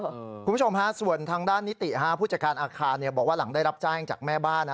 คุณผู้ชมฮะส่วนทางด้านนิติผู้จัดการอาคารบอกว่าหลังได้รับแจ้งจากแม่บ้านนะ